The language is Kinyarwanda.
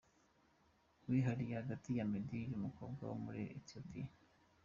wihariye hagati ya Meddy n’uyu mukobwa wo muri Ethiopie.